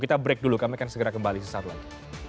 kita break dulu kami akan segera kembali sesaat lagi